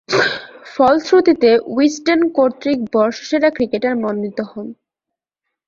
ফলশ্রুতিতে উইজডেন কর্তৃক বর্ষসেরা ক্রিকেটার মনোনীত হন।